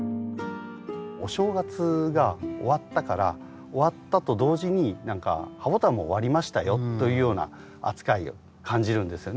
お正月が終わったから終わったと同時に何かハボタンも終わりましたよというような扱いを感じるんですよね。